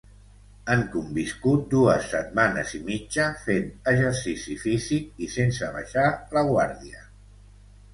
Han conviscut dues setmanes i mitja, fent exercici físic i sense abaixar la guàrdia.